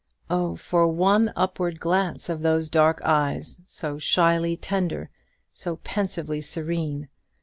Oh, for one upward glance of those dark eyes, so shyly tender, so pensively serene!